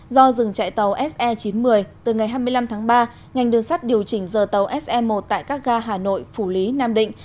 do dừng chạy tàu se chín mươi từ ngày hai mươi năm tháng ba ngành đường sắt điều chỉnh giờ tàu se một tại các ga hà nội phủ lý nam định